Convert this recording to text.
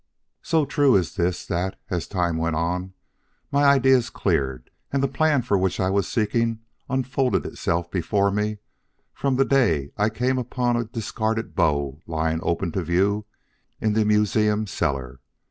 "So true is this that, as time went on, my ideas cleared and the plan for which I was seeking unfolded itself before me from the day I came upon a discarded bow lying open to view in the museum cellar.